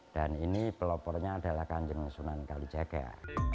dan ini pelopornya adalah kanjeng sunan kalijaga